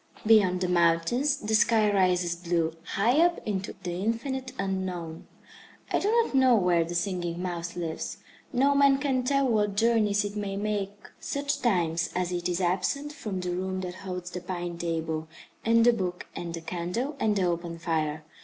Beyond the mountains the sky rises blue, high up into the infinite Unknown. I do not know where the Singing Mouse lives. No man can tell what journeys it may make such times as it is absent from the room that holds the pine table, and the book, and the candle, and the open fire.